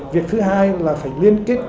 việc thứ hai là phải liên kết